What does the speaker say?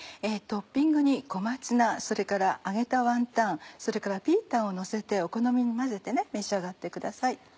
トッピングに小松菜揚げたワンタンピータンをのせてお好みに混ぜて召し上がってください。